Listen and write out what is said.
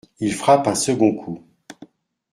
Il frappe un second coup.